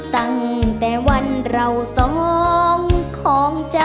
ตั้งแต่วันเราสองของใจ